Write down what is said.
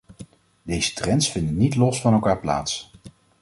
Deze trends vinden niet los van elkaar plaats.